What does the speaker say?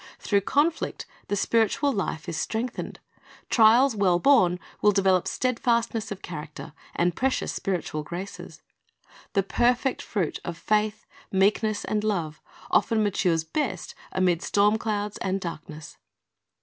Through conflict the spiritual life is strengthened. Trials well borne will develop steadfastness of character, and precious spiritual graces. The perfect fruit of faith, meekness, and love often matures best amid storm clouds and darkness.